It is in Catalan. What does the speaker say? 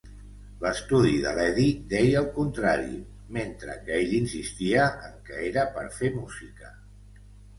L'estudi de l"Eddie deia el contrari, mentre que ell insistia en que era per fer música.